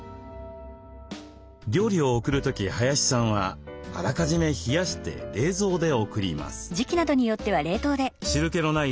料理を送る時林さんはあらかじめ冷やして冷蔵で送ります。